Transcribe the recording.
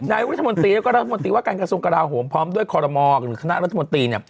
นายรัฐมนตรีแล้วก็รัฐมนตรีว่าการกระทรวงกราโหมพร้อมด้วยคอรมอลหรือคณะรัฐมนตรีเนี่ย